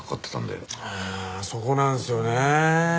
ああそこなんですよね。